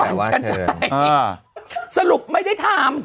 ก็ต้องปั่นกันใช่สรุปไม่ได้ทำ